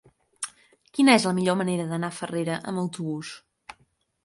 Quina és la millor manera d'anar a Farrera amb autobús?